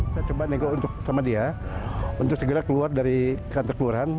saya coba negok sama dia untuk segera keluar dari kantor kemurahan